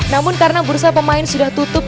namun karena bursa pemain sudah tutup